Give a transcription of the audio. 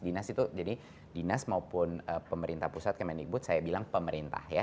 dinas itu jadi dinas maupun pemerintah pusat kemendikbud saya bilang pemerintah ya